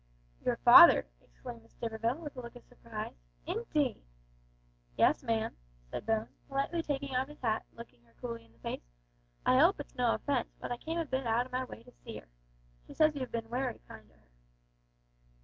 "Your father!" exclaimed Miss Stivergill, with a look of surprise. "Indeed!" "Yes, ma'am," said Bones, politely taking off his hat and looking her coolly in the face. "I 'ope it's no offence, but I came a bit out o' my way to see 'er. She says you've bin' wery kind to her."